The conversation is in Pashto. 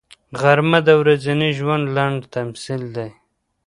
غرمه د ورځني ژوند لنډ تمثیل دی